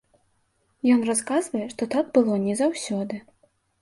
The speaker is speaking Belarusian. Ён расказвае, што так было не заўсёды.